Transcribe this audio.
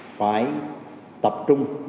phải tập trung